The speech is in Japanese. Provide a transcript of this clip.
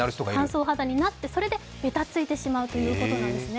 乾燥肌になってそれでべたついてしまうということなんですね。